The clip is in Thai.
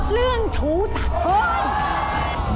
เรื่องชูสัตว์